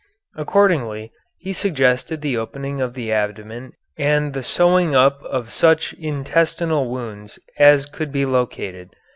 Accordingly he suggested the opening of the abdomen and the sewing up of such intestinal wounds as could be located.